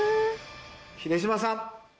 秀島さん。